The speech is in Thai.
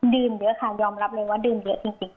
ดื่มเยอะค่ะยอมรับเลยว่าดื่มเยอะจริง